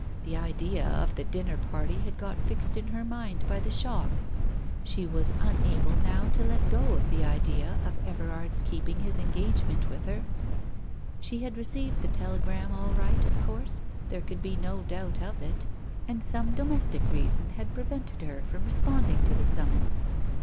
The idea of the dinner party had got fixed in her mind by the shock ; she was unable now to let go the idea of Everard's keeping his engagement with her. She had received the telegram all right, of course, there could be no doubt of it, and some domestic reason had prevented her from respond ing to the summons.